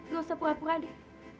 gak usah pura pura deh